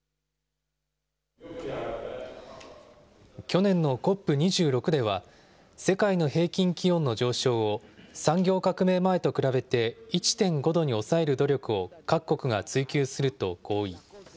去年のＣＯＰ２６では、世界の平均気温の上昇を産業革命前と比べて１．５度に抑える努力を各国が追求すると合意。